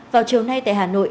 vào chiều nay tại hà nội